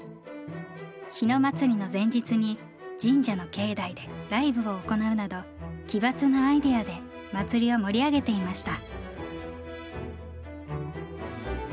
日野祭の前日に神社の境内でライブを行うなど奇抜なアイデアで祭りを盛り上げていました。